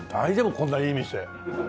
こんないい店。